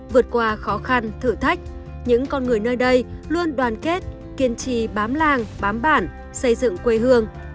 vượt qua khó khăn thử thách những con người nơi đây luôn đoàn kết kiên trì bám làng bám bản xây dựng quê hương